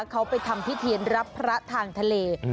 เขาไปทำพิธีรับพระทางทะเล